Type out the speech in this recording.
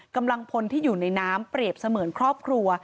กำลังพลที่อยู่ในน้ำเปรียบเสมือนครอบครัว